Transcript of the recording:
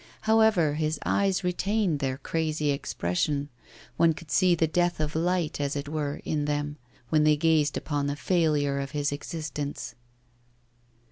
However, his eyes retained their crazy expression one could see the death of light, as it were, in them, when they gazed upon the failure of his existence.